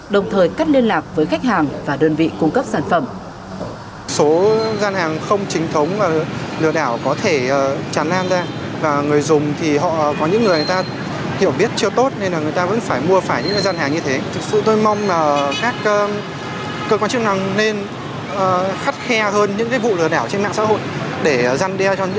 đồng thời cắt liên lạc với khách hàng và đơn vị cung cấp sản phẩm